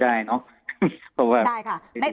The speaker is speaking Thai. อันนี้ผมอาจจะตอบไม่ได้นะ